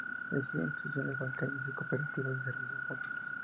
Existen instituciones bancarias y cooperativas de servicios múltiples.